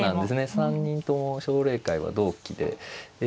３人とも奨励会は同期で。